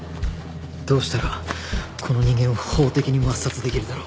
どうしたらこの人間を法的に抹殺できるだろう？